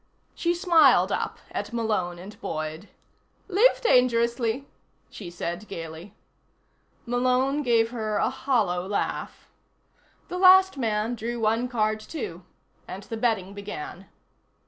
She smiled up at Malone and Boyd. "Live dangerously," she said gaily. Malone gave her a hollow laugh. The last man drew one card, too, and the betting began.